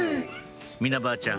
みなばあちゃん